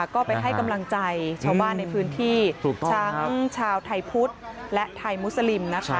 ก็ไปให้กำลังใจชาวบ้านในพื้นที่ทั้งชาวไทยพุทธและไทยมุสลิมนะคะ